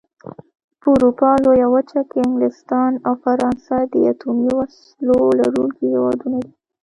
په اروپا لويه وچه کې انګلستان او فرانسه د اتومي وسلو لرونکي هېوادونه دي.